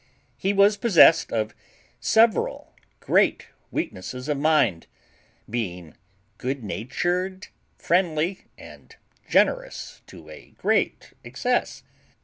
He was possessed of several great weaknesses of mind, being good natured, friendly, and generous to a great excess.